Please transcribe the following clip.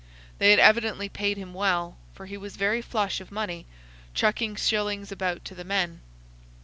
They had evidently paid him well, for he was very flush of money, chucking shillings about to the men.